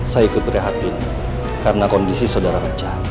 saya ikut berehatin karena kondisi saudara raja